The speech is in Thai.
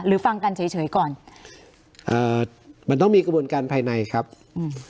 ฟังกันเฉยเฉยก่อนเอ่อมันต้องมีกระบวนการภายในครับอืม